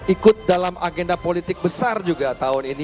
ikut dalam agenda politik besar juga tahun ini